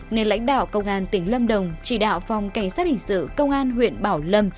nên lãnh đạo công an tỉnh lâm đồng chỉ đạo phòng cảnh sát hình sự công an huyện bảo lâm